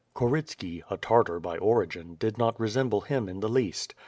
Korytski, a Tartar by origin, did not resemble him in the least.